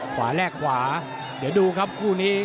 แลกขวาเดี๋ยวดูครับคู่นี้